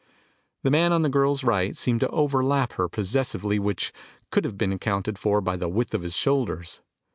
The man on the girl's right seemed to overlap her possessively which could have been accounted for by the width of his shoulders.